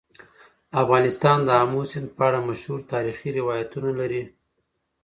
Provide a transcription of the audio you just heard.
افغانستان د آمو سیند په اړه مشهور تاریخي روایتونه لري.